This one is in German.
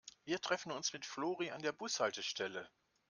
Wir treffen uns mit Flori an der Bushaltestelle.